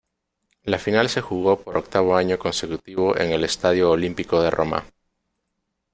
La final se jugó por octavo año consecutivo en el Estadio Olímpico de Roma.